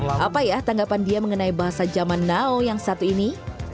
apa ya tanggapan dia mengenai bahasa zaman now yang satu ini